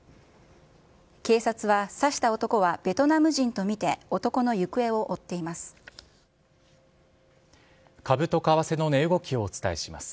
警察は刺した男はベトナム人と見て、男の行方を追っています。